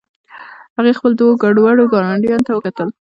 هغې خپلو دوو ګډوډو ګاونډیانو ته وکتل